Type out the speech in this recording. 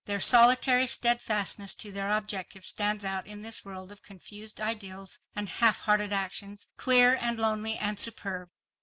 Their solitary steadfastness to their objective stands out in this world of confused ideals and half hearted actions, clear and lonely and superb!